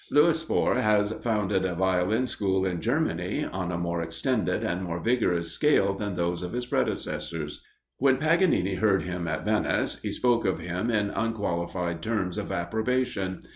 Louis Spohr has founded a Violin school in Germany, on a more extended and more vigorous scale than those of his predecessors. When Paganini heard him at Venice, he spoke of him in unqualified terms of approbation.